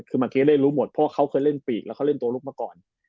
คือมาเค้เล่นรู้หมดเพราะเขาเคยเล่นปีกแล้วเขาเล่นตัวลุกมาก่อน